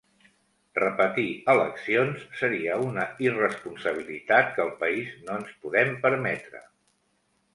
Repetir eleccions seria una irresponsabilitat que el país no ens podem permetre.